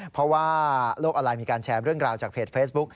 เพราะว่าโลกออนไลน์มีการแชร์เรื่องราวจากเพจเฟซบุ๊ค